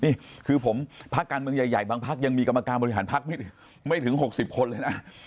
นี่คือผมพักการเมืองใหญ่บางพักยังมีกรรมการบริหารพักไม่ถึง๖๐คนเลยนะ